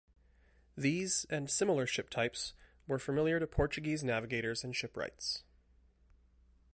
These and similar ship types were familiar to Portuguese navigators and shipwrights.